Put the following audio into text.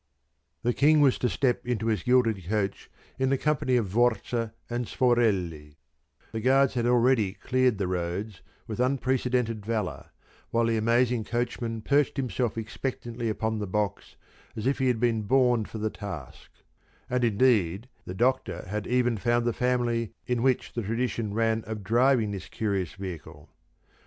The King was to step into his gilded coach in the company of Vorza and Sforelli: the guards had already cleared the road with unprecedented valour, while the amazing coachman perched himself expectantly upon the box as if he had been born for the task and indeed the doctor had even found the family in which the tradition ran of driving this curious vehicle.